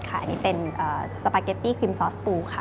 อันนี้เป็นสปาเกตตี้ครีมซอสปูค่ะ